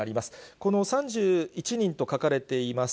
この３１人と書かれています